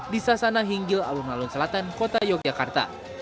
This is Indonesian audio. di sasana hinggil alun alun selatan kota yogyakarta